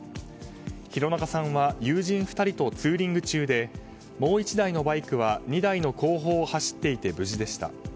廣中さんは友人２人とツーリング中でもう１台のバイクは２台の後方を走っていて無事でした。